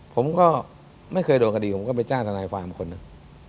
ผมก็ไม่เคยโดนคดีผมก็ไปจ้างทนายความคนหนึ่ง